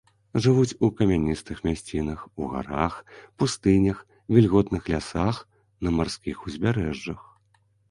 Жывуць у камяністых мясцінах, у гарах, пустынях, вільготных лясах, на марскіх узбярэжжах.